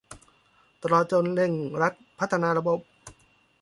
ตลอดจนเร่งรัดการพัฒนาระบบ